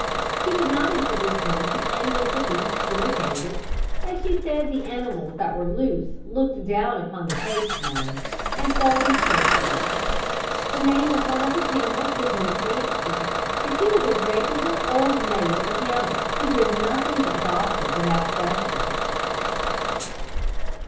She did not introduce him to any of the beasts in the cages, as she said the animals that were loose looked down upon the caged ones and seldom spoke to them. The name of one of the camels was Miss Nancy, and she was a regular old maid of a camel, who did nothing but gossip and ask questions.